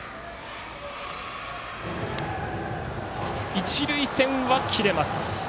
一塁線は切れます。